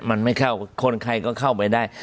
มันไม่เข้าคนใครก็เข้าไปได้